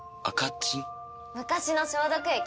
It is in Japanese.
昔の消毒液。